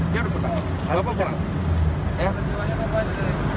ya udah pulang bapak pulang